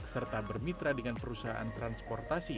serta bermitra dengan perusahaan transportasi